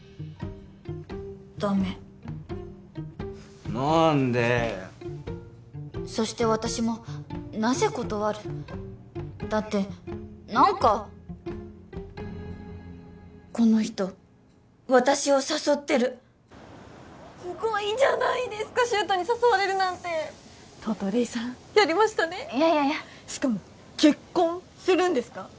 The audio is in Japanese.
ダメなんでそして私もなぜ断るだって何かこの人私を誘ってるすごいじゃないですか柊人に誘われるなんてとうとう黎さんやりましたねいやいやいやしかも結婚するんですか？